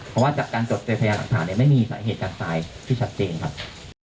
เพราะว่าการจดเจริญพยาหลังภาษณ์ไม่มีสาเหตุจากตายที่ชัดเจนครับ